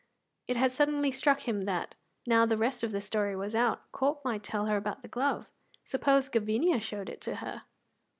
It had suddenly struck him that, now the rest of the story was out, Corp might tell her about the glove. Suppose Gavinia showed it to her!